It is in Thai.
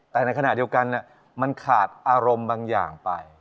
แต่ในขณะเดียวกันมันขาดอารมณ์บางอย่างไป